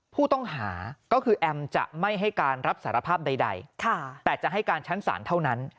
ผู้ต้องหาก็คือแอมจะไม่ให้การรับสารภาพใดแต่จะให้การชั้นศาลเท่านั้น